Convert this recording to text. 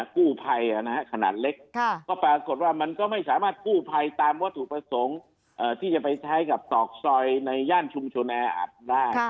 กู้ภัยขนาดเล็กก็ปรากฏว่ามันก็ไม่สามารถกู้ภัยตามวัตถุประสงค์ที่จะไปใช้กับตอกซอยในย่านชุมชนแออัดได้